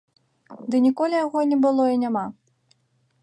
Ды ніколі яго не было і няма!